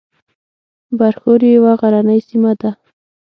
برښور یوه غرنۍ سیمه ده